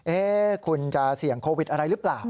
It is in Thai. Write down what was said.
คุณจะเสี่ยงโควิดอะไรหรือเปล่า